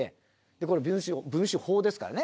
これ「文春砲」ですからね。